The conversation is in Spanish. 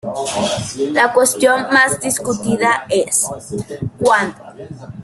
La cuestión más discutida es: ¿cuándo?